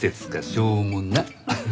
しょうもなっ！